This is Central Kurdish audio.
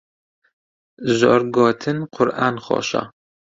زۆر گۆتن قورئان خۆشە.